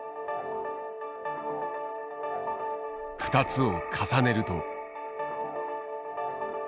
２つを重ねると。